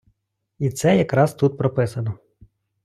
І це якраз тут прописано.